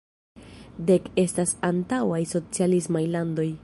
Dek estas antaŭaj socialismaj landoj.